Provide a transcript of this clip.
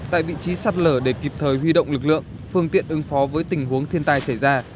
tại vị trí sạt lở để kịp thời huy động lực lượng phương tiện ứng phó với tình huống thiên tai xảy ra